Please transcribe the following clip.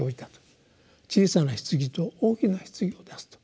小さな棺と大きな棺を出すと。